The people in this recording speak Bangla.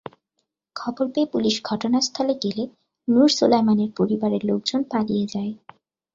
খবর পেয়ে পুলিশ ঘটনা স্থলে গেলে নুর সোলায়মানের পরিবারের লোকজন পালিয়ে যায়।